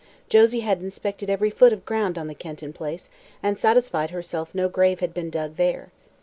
Josie had inspected every foot of ground on the Kenton Place and satisfied herself no grave had been dug there.